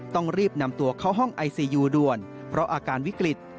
ต้องรีบนำตัวเข้าห้องไอซียูด่วนเพราะอาการวิกฤต